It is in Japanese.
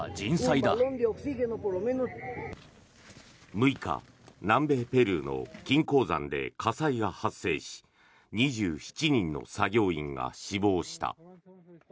６日、南米ペルーの金鉱山で火災が発生し２７人の作業員が死亡した。